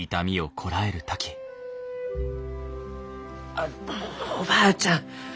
あおばあちゃん！